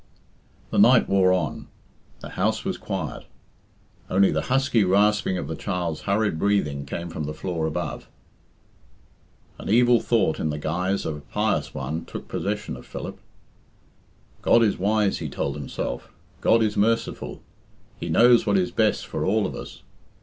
The night wore on; the house was quiet; only the husky rasping of the child's hurried breathing came from the floor above. An evil thought in the guise of a pious one took possession of Philip. "God is wise," he told himself. "God is merciful. He knows what is best for all of us.